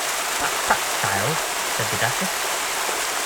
‘Tut, tut, child!’ said the Duchess.